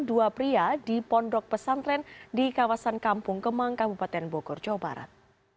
dua pria di pondok pesantren di kawasan kampung kemang kabupaten bogor jawa barat